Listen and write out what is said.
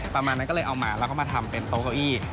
ประมาณนั้นก็เลยเอามาแล้วก็มาทำเป็นโต๊ะเก้าอี้